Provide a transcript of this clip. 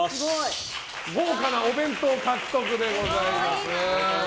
豪華なお弁当、獲得でございます。